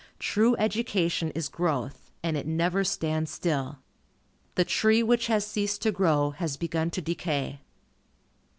True education is growth, and it never stands still. The tree which has ceased to grow, has begun to decay.